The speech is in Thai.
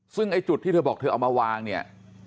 ซึ่งไอ้จุดที่เธอบอกเธอเอามาวางเนี่ย